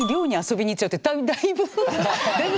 だいぶ。